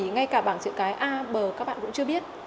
ngay cả bảng chữ cái a b các bạn cũng chưa biết